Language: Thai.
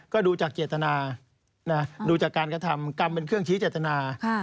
ก็ดูจากเจตนาดูจากการกระทำกรรมเป็นเครื่องชี้เจตนา